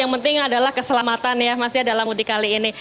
yang penting adalah keselamatan ya masih adalah mudik kali ini